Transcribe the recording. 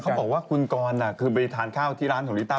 เขาบอกว่าคุณกรคือไปทานข้าวที่ร้านของลิต้า